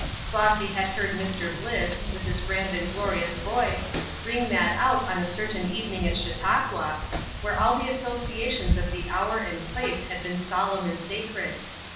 Flossy had heard Mr. Bliss, with his grand and glorious voice, ring that out on a certain evening at Chautauqua, where all the associations of the hour and place had been solemn and sacred.